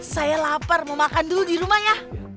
saya lapar mau makan dulu di rumah ya